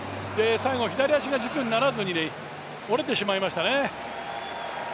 最後左足が軸にならずに、折れてしまいましたね。